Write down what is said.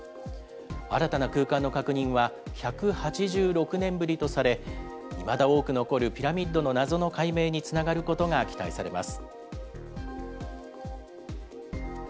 新たな空間の確認は１８６年ぶりとされ、いまだ多く残るピラミッドの謎の解明につながることが期待されます。